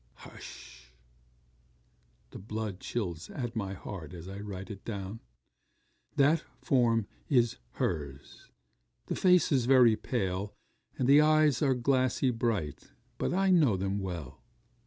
Hush! the blood chills at my heart as I write it down that form is her's; the face is very pale, and the eyes are glassy bright; but I know them well.